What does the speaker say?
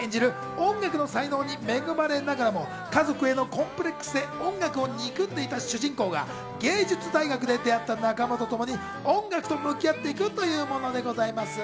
音楽の才能に恵まれながらも家族へのコンプレックスで音楽を憎んでいた主人公が芸術大学で出会った仲間とともに音楽と向き合っていくというものでございます。